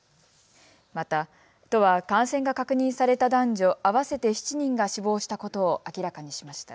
また都は感染が確認された男女合わせて７人が死亡したことを明らかにしました。